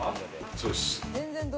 そうです。